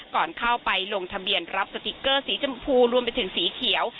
ก่อนเข้าไปลงทะเบียนรับสติ๊กเกอร์สีชมพูรวมไปถึงสีเขียว